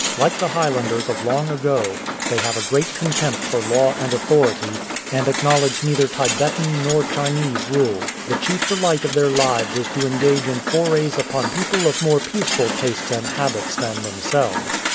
Like the Highlanders of long ago, they have a great contempt for law and authority, and acknowledge neither Tibetan nor Chinese rule. The chief delight of their lives is to engage in forays upon people of more peaceful tastes and habits than themselves.